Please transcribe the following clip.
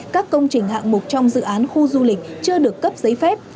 các công trình hạng mục trong dự án khu du lịch chưa được cấp giấy phép